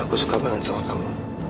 bikin aku suka banget sama kamu